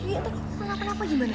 tentu aku gak kenapa napa gimana